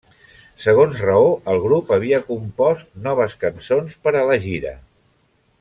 Segons raó, el grup havia compost noves cançons per a la gira.